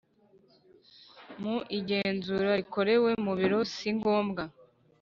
Mu igenzura rikorewe mu biro si ngombwa